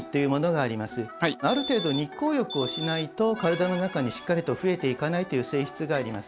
ある程度日光浴をしないと体の中にしっかりと増えていかないという性質があります。